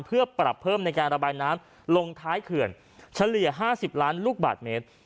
เพื่อปรับเพิ่มในการระบายน้ำลงท้ายเขื่อนเฉลี่ย๕๐ล้านลูกบาทเมตร